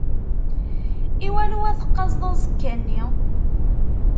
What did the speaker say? I wanwa teqqazeḍ aẓekka-nni?